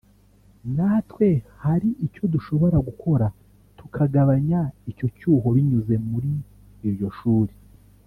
natwe hari icyo dushobora gukora tukagabanya icyo cyuho binyuze muri iryo shuri”